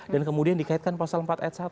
dan kemudian dikaitkan pasal empat ad satu